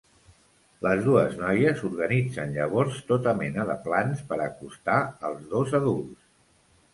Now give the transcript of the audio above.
Les dues noies organitzen llavors tota mena de plans per acostar els dos adults.